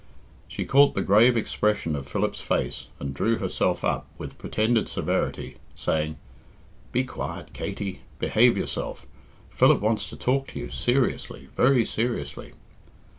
She caught the grave expression of Philip's face, and drew herself up with pretended severity, saying, "Be quiet, Katey. Behave yourself. Philip wants to talk to you seriously very seriously."